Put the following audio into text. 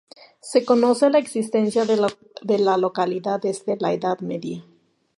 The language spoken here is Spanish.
Se conoce la existencia de la localidad desde la Edad Media.